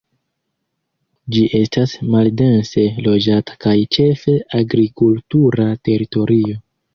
Ĝi estas maldense loĝata kaj ĉefe agrikultura teritorio.